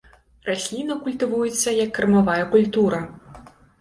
Расліна культывуецца як кармавая культура.